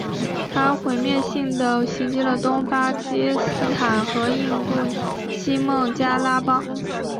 它毁灭性地袭击了东巴基斯坦和印度西孟加拉邦。